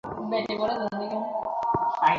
নিশ্চয়ই বাবার ওয়ালেট।